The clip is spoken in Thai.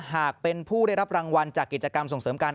หากเป็นผู้ได้รับรางวัลจากกิจกรรมส่งเสริมการ